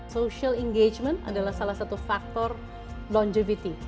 social engagement adalah salah satu faktor longivity